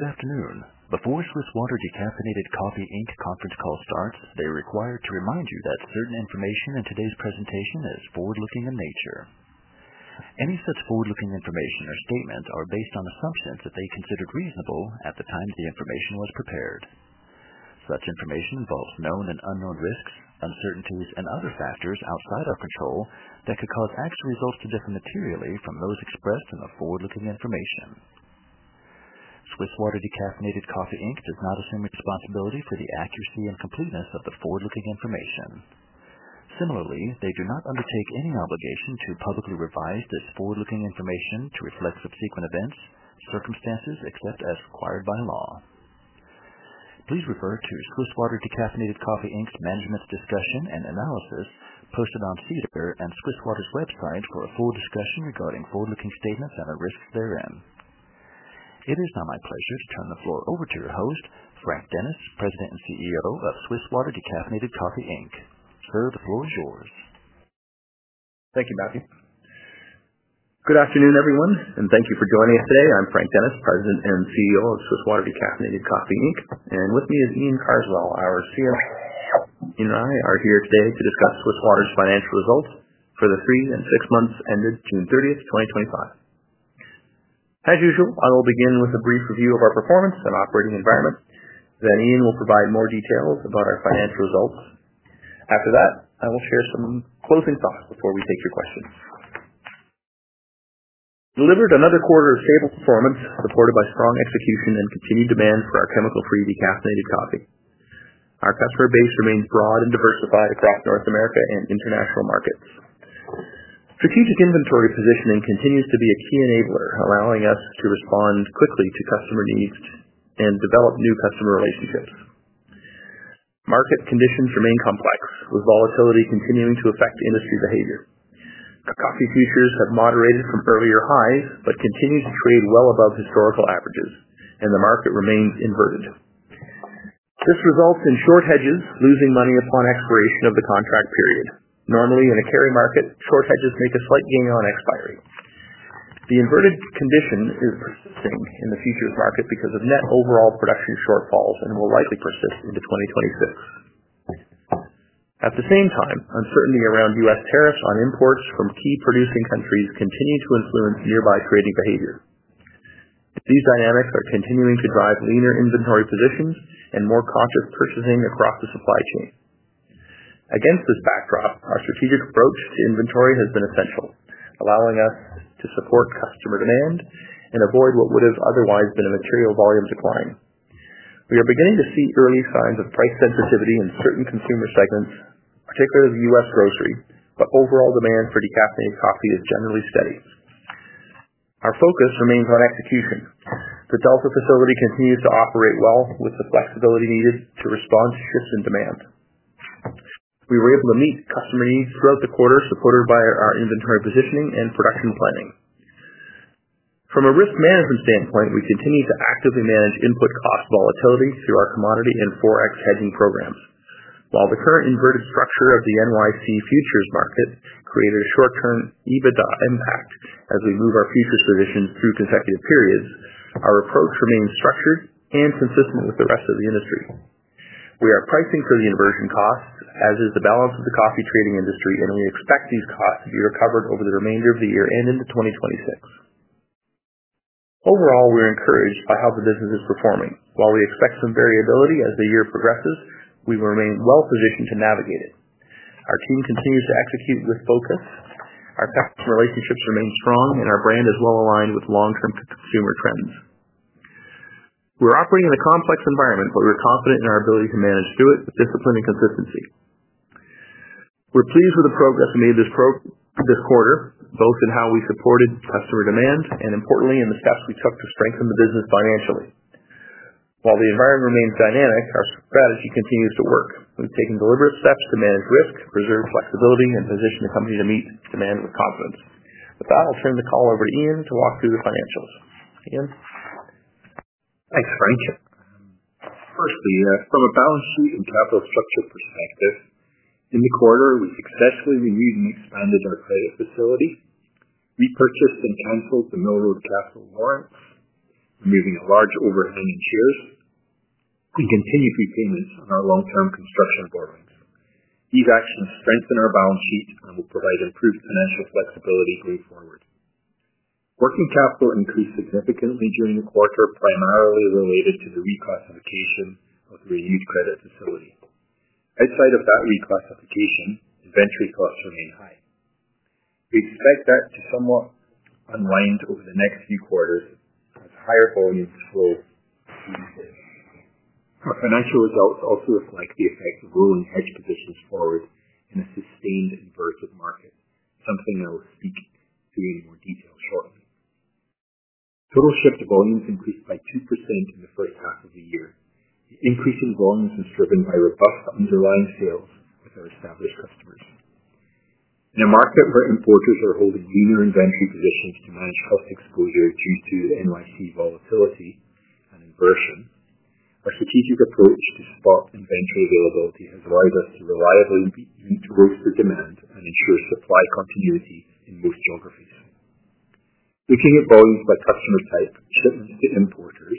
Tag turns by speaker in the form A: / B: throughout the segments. A: Good afternoon. Before Swiss Water Decaffeinated Coffee Inc.'s Conference Call starts, they are required to remind you that certain information in today's presentation is forward-looking in nature. Any such forward-looking information or statements are based on a substance that they considered reasonable at the time the information was prepared. Such information involves known and unknown risks, uncertainties, and other factors outside our control that could cause actual results to differ materially from those expressed in the forward-looking information. Swiss Water Decaffeinated Coffee Inc. does not assume responsibility for the accuracy and completeness of the forward-looking information. Similarly, they do not undertake any obligation to publicly revise this forward-looking information to reflect subsequent events, circumstances, etc., as required by law. Please refer to Swiss Water Decaffeinated Coffee Inc.'s management discussion and analysis posted on SEDAR and Swiss Water's website for a full discussion regarding forward-looking statements and the risks therein. It is now my pleasure to turn the floor over to your host, Frank Dennis, President and CEO of Swiss Water Decaffeinated Coffee Inc. The floor is yours.
B: Thank you, Matthew. Good afternoon, everyone, and thank you for joining us today. I'm Frank Dennis, President and CEO of Swiss Water Decaffeinated Coffee Inc., and with me is Iain Carswell. Iain and I are here today to discuss Swiss Water's financial results for the three and six months ended June 30th, 2025. As usual, I will begin with a brief review of our performance and operating environment. Iain will provide more details about our financial results. After that, I will share some closing thoughts before we take your questions. We delivered another quarter of stable performance supported by strong execution and continued demand for our chemical-free decaffeinated coffee. Our customer base remains broad and diversified across North America and international markets. Strategic inventory positioning continues to be a key enabler, allowing us to respond quickly to customer needs and develop new customer relationships. Market conditions remain complex, with volatility continuing to affect industry behavior. The coffee futures have moderated from earlier highs, but continue to trade well above historical averages, and the market remains inverted. This results in short hedges losing money upon expiration of the contract period. Normally, in a carry market, short hedges make a slight gain on expiry. The inverted condition is persisting in the futures market because of net overall production shortfalls and will likely persist into 2026. At the same time, uncertainty around U.S. tariffs on imports from key producing countries continues to influence nearby trading behavior. These dynamics are continuing to drive leaner inventory positions and more cautious purchasing across the supply chain. Against this backdrop, our strategic approach to inventory has been essential, allowing us to support customer demand and avoid what would have otherwise been a material volume decline. We are beginning to see early signs of price sensitivity in certain consumer segments, particularly the U.S. grocery, but overall demand for decaffeinated coffee is generally steady. Our focus remains on execution. The Delta facility continues to operate well with the flexibility needed to respond to shifts in demand. We were able to meet customer needs throughout the quarter, supported by our inventory positioning and production planning. From a risk management standpoint, we continue to actively manage input cost volatility through our commodity and foreign exchange hedging programs. While the current inverted structure of the NYCE. futures market created a short-term EBITDA impact as we move our futures position through consecutive periods, our approach remains structured and consistent with the rest of the industry. We are pricing for the inversion costs, as is the balance of the coffee trading industry, and we expect these costs to be recovered over the remainder of the year and into 2026. Overall, we're encouraged by how the business is performing. While we expect some variability as the year progresses, we remain well-positioned to navigate it. Our team continues to execute with focus. Our customer relationships remain strong, and our brand is well-aligned with long-term consumer trends. We're operating in a complex environment, but we're confident in our ability to manage through it with discipline and consistency. We're pleased with the progress made this quarter, both in how we supported customer demand and, importantly, in the steps we took to strengthen the business financially. While the environment remains dynamic, our strategy continues to work. We've taken deliberate steps to manage risk, preserve flexibility, and position the company to meet demand with confidence. With that, I'll turn the call over to Iain to walk through the financials. Iain?
C: Thanks, Frank. Firstly, from a balance sheet and capital structure perspective, in the quarter, we successfully renewed and expanded our credit facility. We purchased and canceled the Mill Road Capital warrants, removing a large overhang in shares, and continued repayments on our long-term construction borrowings. These actions strengthen our balance sheet and will provide improved financial flexibility going forward. Working capital increased significantly during the quarter, primarily related to the reclassification of the reused credit facility. Outside of that reclassification, inventory costs remain high. We expect that to somewhat unwind over the next few quarters as higher volumes flow. Our financial results also reflect the effect of rolling hedge positions forward in a sustained inverted market, something I will speak to in more detail shortly. Total steady volumes increased by 2% in the first half of the year. The increase in volumes was driven by robust underlying sales with our established customers. In a market where importers are holding leaner inventory positions to manage cost exposures due to NYCE volatility and inversion, our strategic approach to spot inventory availability has allowed us to reliably roaster demand and ensure supply continuity in most geographies. Looking at volumes by customer type, shipments to importers,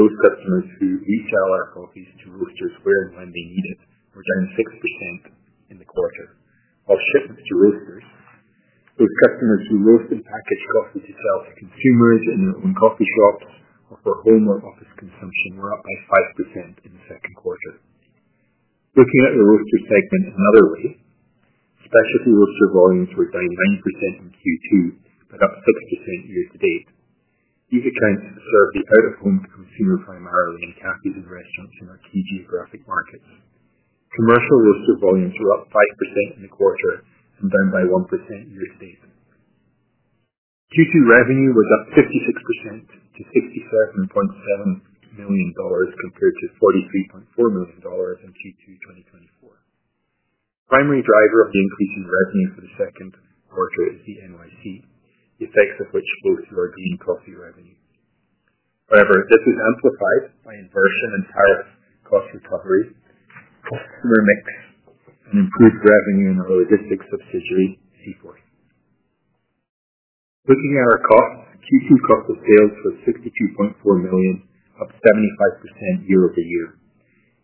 C: road customers who resell our coffees to roasters where and when they need it, were down 6% in the quarter. While shipments to roasters, road customers who roast and package coffees to sell to consumers in their own coffee shop or for home or office consumption were up by 5% in the second quarter. Looking at the roaster segment in another way, specialty roaster volumes were down 9% in Q2 but up 6% year to date. These accounts serve the out-of-home consumer primarily in cafes and restaurants in our key geographic markets. Commercial roaster volumes were up 5% in the quarter and down by 1% year to date. Q2 revenue was up 56% to 67.7 million dollars compared to 43.4 million in Q2 2024. The primary driver of the increase in revenue for the second quarter is the NYCE, the effects of which go through our bean coffee revenue. However, this is amplified by inversion and tariff cost recoveries, customer mix, and improved revenue in our logistics subsidiary C40. Looking at our costs, futures cost of sales were 62.4 million, up 75% year-over-year.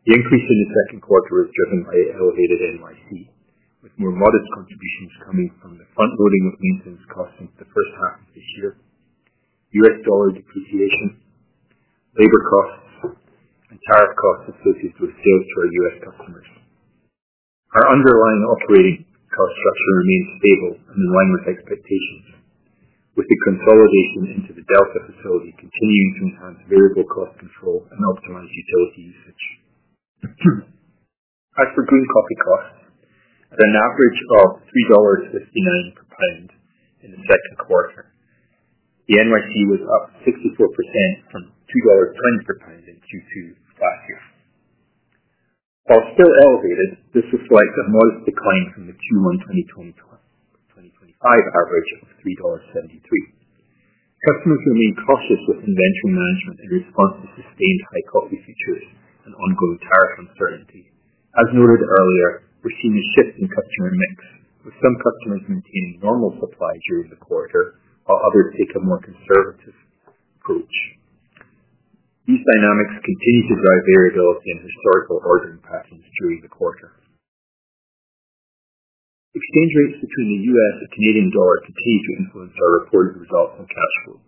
C: The increase in the second quarter is driven by elevated NYCE, with more modest contributions coming from the front-loading of maintenance costs since the first half of the year, U.S. dollar depreciation, labor costs, and tariff costs associated with sales to our U.S. customers. Our underlying operating cost structure remains stable and in line with expectations, with the consolidation into the Delta facility continuing to enhance variable cost control and optimize utility usage. As for green coffee costs, at an average of 3.59 dollars/lbs in the second quarter, the NYCE was up 64% from 2.20 dollars/lbs in Q2 of last year. While still elevated, this was a modest decline from the Q1 2025 average of CAD 3.73. Customers remain cautious with inventory management in response to sustained high coffee futures and ongoing tariff uncertainty. As noted earlier, we're seeing a shift in customer mix, with some customers maintaining normal supply during the quarter, while others take a more conservative approach. These dynamics continue to drive variability in historical ordering patterns during the quarter. Exchange rates between the U.S. and Canadian dollar continue to influence our reported results and cash flow.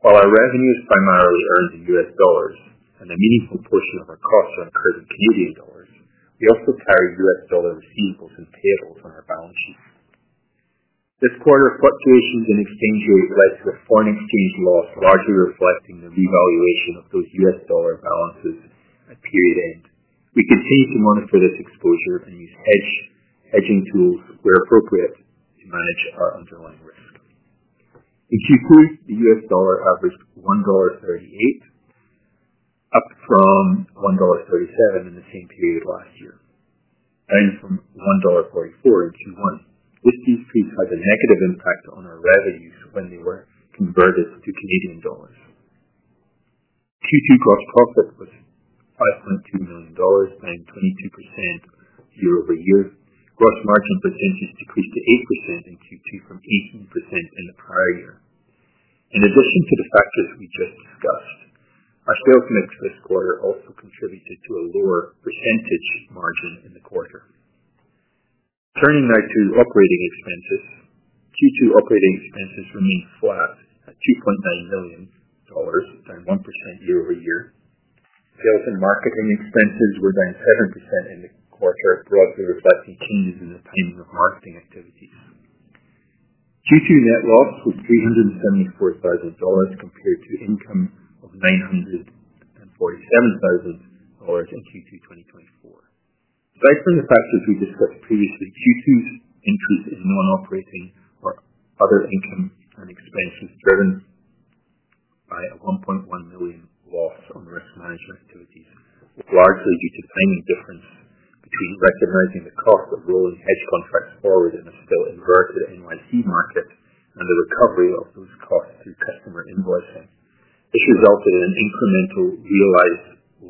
C: While our revenues are primarily earned in U.S. dollars and a meaningful portion of our costs are in Canadian dollars, we also carry U.S. dollar receivables and payables on our balance sheets. This quarter, fluctuations in exchange yield led to a foreign exchange loss, largely reflecting the revaluation of those U.S. dollar balances at period end. We continue to monitor this exposure and use hedging tools where appropriate to manage our underlying risk. In Q3, the U.S. dollar averaged 1.38 dollar, up from 1.37 dollar in the same period last year, and from 1.44 dollar in Q1. This increase had a negative impact on our revenues when they were converted to Canadian dollars. Q2 gross profit was 5.2 million dollars and 22% year-over-year. Gross margin percentage decreased to 8% in Q2 from 18% in the prior year. In addition to the factors we just discussed, our sales mix this quarter also contributed to a lower percentage margin in the quarter. Turning now to operating expenses, Q2 operating expenses remained flat at 2.9 million dollars, down 1% year-over-year. Sales and marketing expenses were down 7% in the quarter, broadly reflecting changes in the timing of marketing activities. Q2 net loss was CAD 374,000 compared to income of CAD 947,000 in Q2 2024. Aside from the factors we discussed previously, Q2's increase in non-operating or other income and expenses driven by a 1.1 million loss on risk management activities was largely due to the timing difference between recognizing the cost of rolling hedge contracts forward in a still inverted NYCE market and the recovery of those costs through customer invoicing. This resulted in an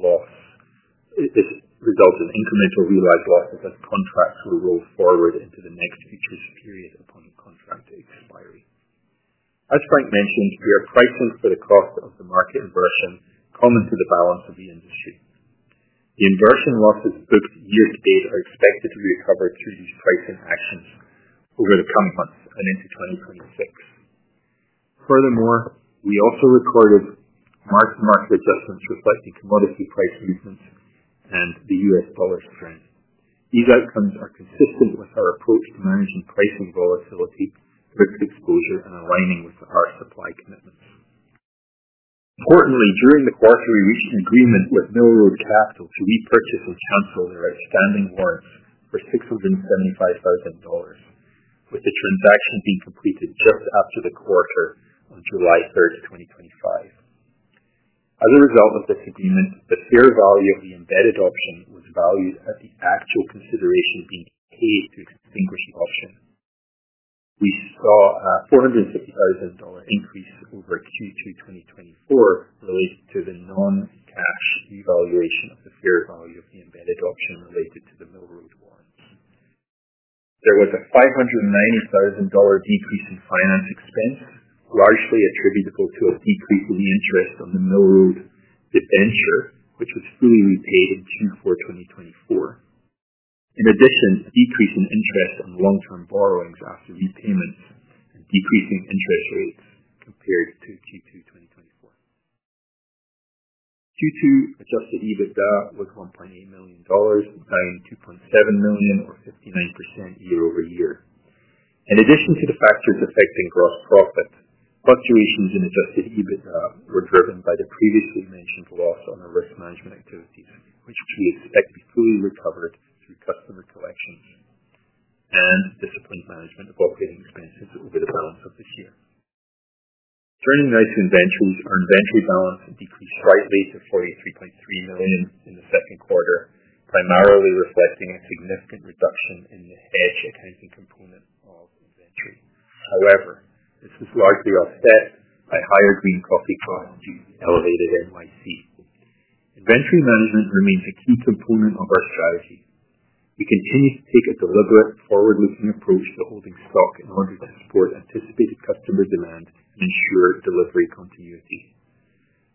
C: incremental realized loss because contracts were rolled forward into the next futures period upon contract expiry. As Frank mentioned, we are pricing for the cost of the market inversion common to the balance of the industry. The inversion losses booked year to date are expected to be recovered through these pricing actions over the coming months and into 2026. Furthermore, we also recorded mark-to-market adjustments reflecting commodity price reasons and the U.S. dollar trend. These outcomes are consistent with our approach to managing pricing volatility, risk exposure, and aligning with our supply commitments. Importantly, during the quarter, we reached an agreement with Mill Road Capital to repurchase and cancel their outstanding warrant for 675,000 dollars, with the transaction being completed just after the quarter on July 3rd, 2025. As a result of this agreement, the fair value of the embedded option was valued at the actual consideration being paid to extinguish the option. We saw a 450,000 dollar increase over Q2 2024 related to the non-cash revaluation of the fair value of the embedded option related to the Mill Road warrants. There was a 590,000 dollar decrease in finance expense, largely attributable to a decrease in the interest on the Mill Road debenture, which was fully repaid in Q4 2024. In addition, a decrease in interest on long-term borrowings after repayments and decreasing interest rates compared to Q2 2024. Q2 adjusted EBITDA was 1.8 million dollars, down 2.7 million, or 59% year-over-year. In addition to the factors affecting gross profit, fluctuations in adjusted EBITDA were driven by the previously mentioned loss on our risk management activities, which we expect to be fully recovered through customer collections and disciplined management of operating expenses over the balance of this year. Turning now to inventories, our inventory balance decreased slightly to 43.3 million in the second quarter, primarily reflecting a significant reduction in the hedge accounting component of inventory. However, this is largely offset by higher green coffee costs due to elevated NYCE. Inventory management remains a key component of our strategy. We continue to take a deliberate, forward-looking approach to holding stock in order to support anticipated customer demand and ensure delivery continuity.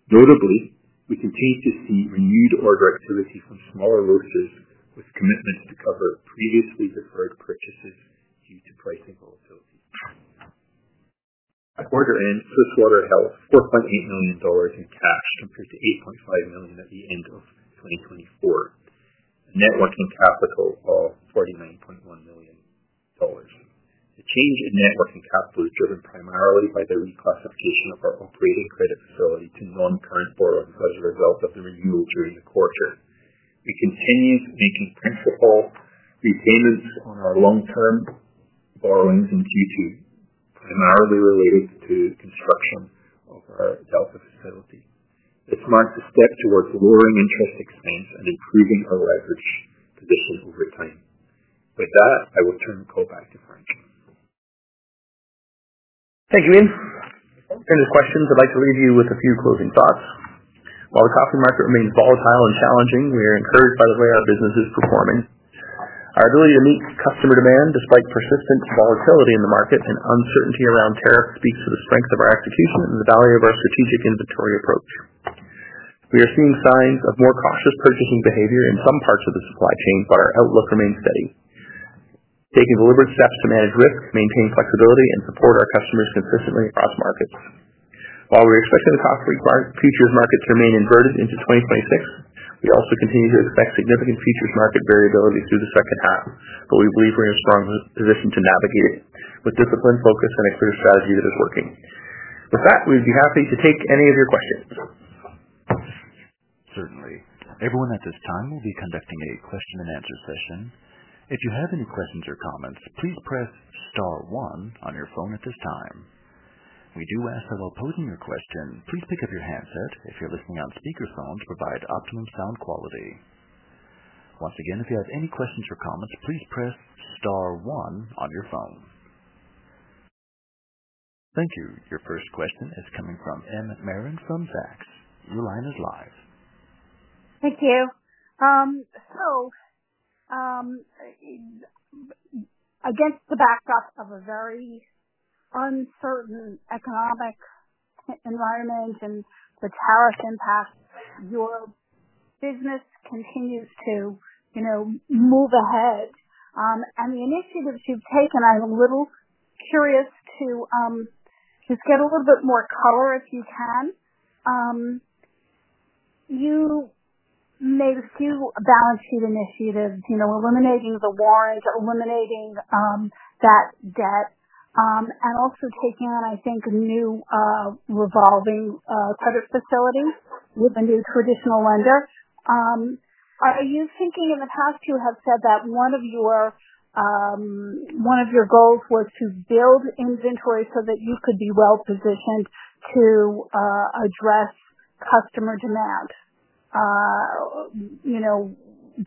C: Notably, we continue to see renewed order activity from smaller roasters with commitments to cover previously deferred purchases due to pricing volatility. At quarter end, Swiss Water held 4.8 million dollars in cash compared to 8.5 million at the end of 2024, and net working capital of 49.1 million dollars. The change in net working capital is driven primarily by the reclassification of our operating credit facility to non-current borrowings as a result of the renewal during the quarter. We continue making principal repayments on our long-term borrowings in Q2, primarily related to construction of our Delta facility. This marks a step towards lowering interest expense and improving our leverage position over time. With that, I will turn the call back to Frank.
B: Thank you, Iain. In terms of questions, I'd like to leave you with a few closing thoughts. While the coffee market remains volatile and challenging, we are encouraged by the way our business is performing. Our ability to meet customer demand despite persistent volatility in the market and uncertainty around tariffs speaks to the strength of our execution and the value of our strategic inventory approach. We are seeing signs of more cautious purchasing behavior in some parts of the supply chain, but our outlook remains steady. Taking deliberate steps to manage risk, maintain flexibility, and support our customers consistently across markets. While we're expecting the coffee futures market to remain inverted into 2026, we also continue to expect significant futures market variability through the second half, but we believe we're in a strong position to navigate it with discipline, focus, and a clear strategy that is working. With that, we'd be happy to take any of your questions.
A: Certainly. Everyone, at this time we will be conducting a question and answer session. If you have any questions or comments, please press star one on your phone at this time. If you do ask about posing your question, please pick up your handset if you're listening on speakerphone to provide optimum sound quality. Once again, if you have any questions or comments, please press star one on your phone. Thank you. Your first question is coming from M. Marin from Zacks. The line is live.
D: Thank you. Against the backdrop of a very uncertain economic environment and the tariff impact, your business continues to move ahead. The initiatives you've taken, I'm a little curious to just get a little bit more color if you can. You made a few balance sheet initiatives, eliminating the warrant, eliminating that debt, and also taking on, I think, new revolving credit facilities with a new traditional lender. In the past, you have said that one of your goals was to build inventory so that you could be well-positioned to address customer demand,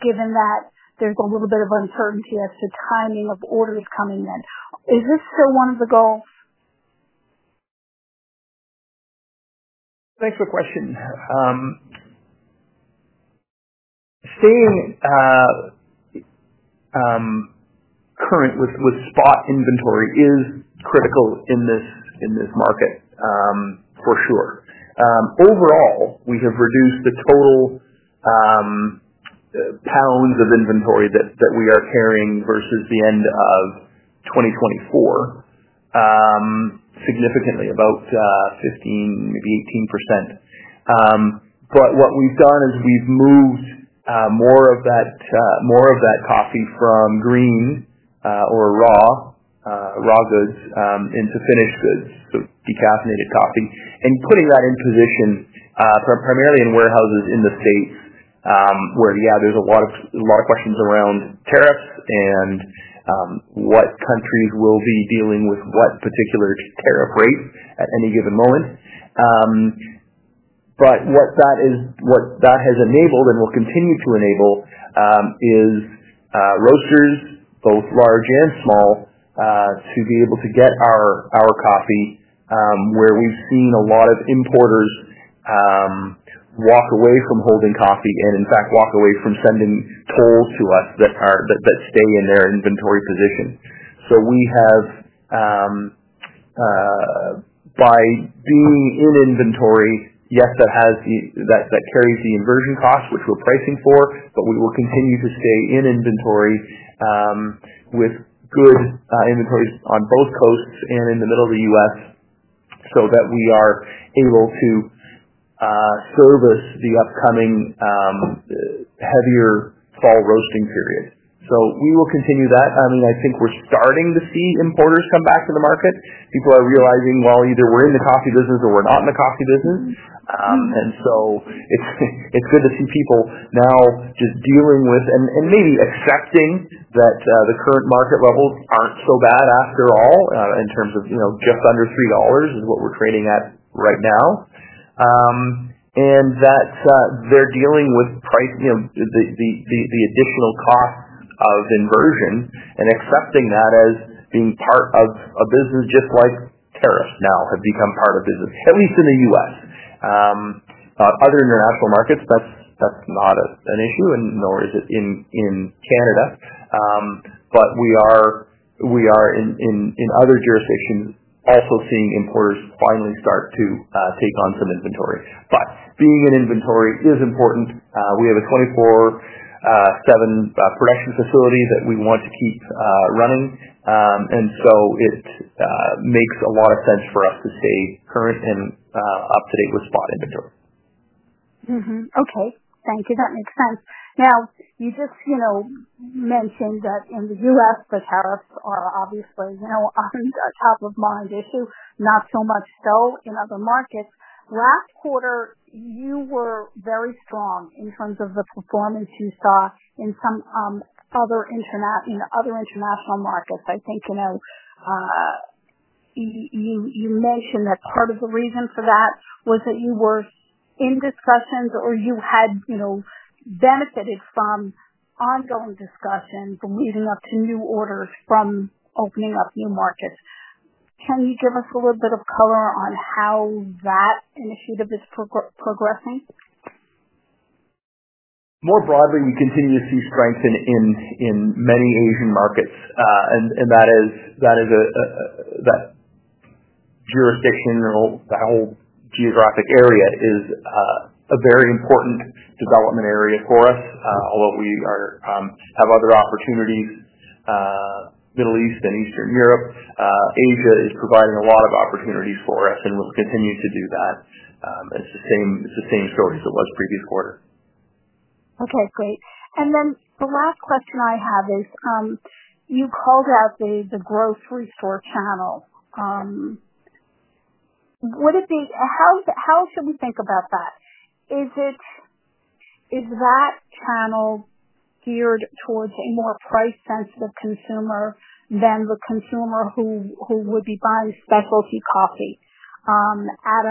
D: given that there's a little bit of uncertainty as to timing of orders coming in. Is this still one of the goals?
B: Thanks for the question. Staying current with spot inventory is critical in this market, for sure. Overall, we have reduced the total pounds of inventory that we are carrying versus the end of 2024 significantly, about 15%, maybe 18%. What we've done is we've moved more of that coffee from green, or raw goods, into finished goods, so decaffeinated coffee, and putting that in positions primarily in warehouses in the States, where there are a lot of questions around tariffs and what countries will be dealing with what particular tariff rate at any given moment. That is what that has enabled and will continue to enable: roasters, both large and small, to be able to get our coffee. We've seen a lot of importers walk away from holding coffee and, in fact, walk away from sending tolls to us that stay in their inventory position. By being in inventory, yes, that carries the inversion costs, which we're pricing for, but we will continue to stay in inventory with good inventories on both coasts and in the middle of the U.S. so that we are able to service the upcoming heavier fall roasting period. We will continue that. I think we're starting to see importers come back to the market. People are realizing, either we're in the coffee business or we're not in the coffee business. It's good to see people now just dealing with and maybe accepting that the current market levels aren't so bad after all, in terms of, you know, just under 3 dollars is what we're trading at right now. They're dealing with price, the additional cost of inversion, and accepting that as being part of business just like tariffs now have become part of business, at least in the U.S. In other international markets, that's not an issue, and nor is it in Canada. We are in other jurisdictions also seeing importers finally start to take on some inventory. Being in inventory is important. We have a 24/7 production facility that we want to keep running, and it makes a lot of sense for us to stay current and up to date with spot inventory.
D: Mm-hmm. Okay. Thank you. That makes sense. Now, you just mentioned that in the U.S., the tariffs are obviously on the top of mind issue, not so much so in other markets. Last quarter, you were very strong in terms of the performance you saw in some other international markets. I think you mentioned that part of the reason for that was that you were in discussions or you had benefited from ongoing discussions leading up to new orders from opening up new markets. Can you give us a little bit of color on how that initiative is progressing?
B: More broadly, we continue to see strength in many Asian markets, and that jurisdiction or the whole geographic area is a very important development area for us. Although we have other opportunities, Middle East and Eastern Europe, Asia is providing a lot of opportunities for us, and we'll continue to do that. It's the same story as it was previous quarter.
D: Okay. Great. The last question I have is, you called out the grocery store channel. How should we think about that? Is that channel geared towards a more price-sensitive consumer than the consumer who would be buying specialty coffee at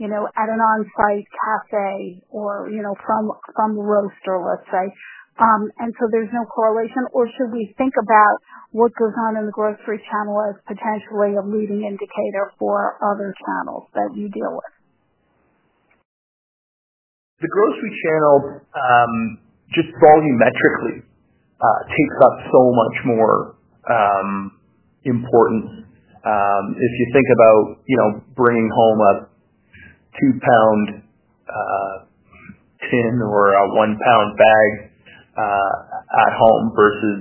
D: an on-site cafe or from the roaster, let's say? Is there no correlation, or should we think about what goes on in the grocery channel as potentially a leading indicator for other channels that you deal with?
B: The grocery channel, just volumetrically, takes up so much more importance. If you think about bringing home a 2 lbs tin or a 1 lbs bag at home versus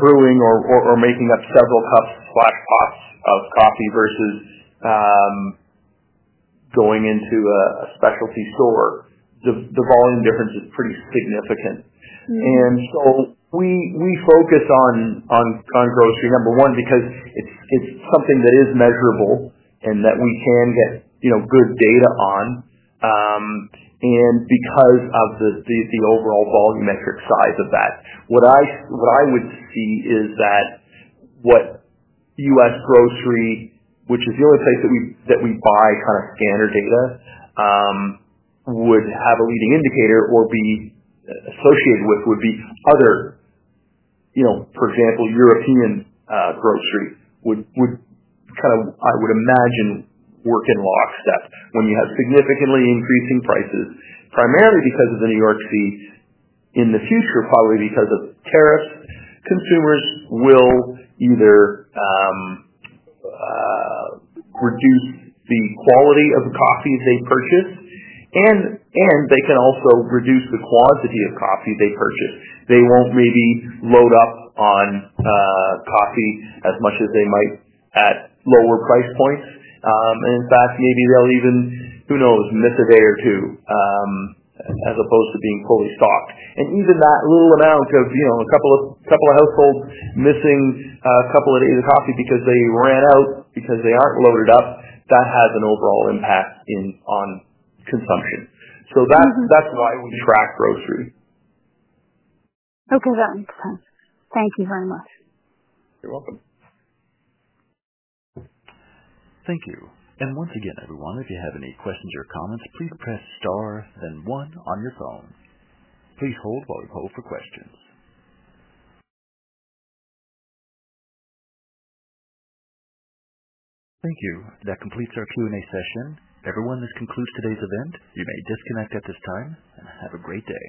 B: brewing or making up several cups of black box of coffee versus going into a specialty store, the volume difference is pretty significant. We focus on grocery, number one, because it's something that is measurable and that we can get good data on, and because of the overall volumetric size of that. What I would see is that U.S. grocery, which is the only place that we buy kind of standard data, would have a leading indicator or be associated with other, for example, European groceries would kind of, I would imagine, work in lockstep when you have significantly increasing prices, primarily because of the New York Coffee Exchange. In the future, probably because of tariffs, consumers will either reduce the quality of the coffees they purchase, and they can also reduce the quantity of coffee they purchase. They won't maybe load up on coffee as much as they might at lower price points. In fact, maybe they'll even, who knows, miss a day or two, as opposed to being fully stocked. Even that little amount of a couple of households missing a couple of days of coffee because they ran out because they aren't loaded up, that has an overall impact on consumption. That's why we track grocery.
D: Okay, that makes sense. Thank you very much.
B: You're welcome.
A: Thank you. Once again, everyone, if you have any questions or comments, please press star then one on your phone. Please hold while we call for questions. Thank you. That completes our Q&A session. Everyone, this concludes today's event. You may disconnect at this time and have a great day.